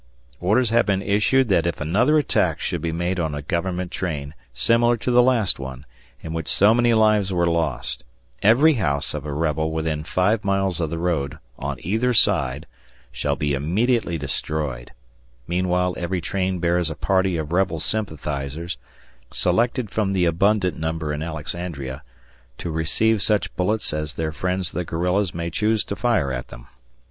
Orders have been issued that if another attack should be made on a Government train, similar to the last one, in which so many lives were lost, every house of a rebel within five miles of the road, on either side, shall be immediately destroyed, meanwhile every train bears aparty of rebel sympathizers, selected from the abundant number in Alexandria, to receive such bullets as their friends the guerrillas may choose to fire at them.